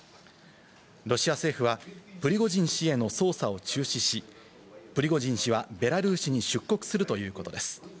ロシア政府はプリゴジン氏への捜査を中止し、プリゴジン氏はベラルーシに出国するということです。